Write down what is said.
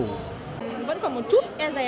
vẫn còn một chút e dè